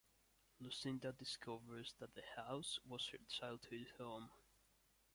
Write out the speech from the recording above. Lucinda discovers that the house was her childhood home.